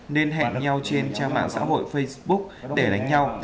nên hẹn nhau trên trang mạng xã hội facebook để đánh nhau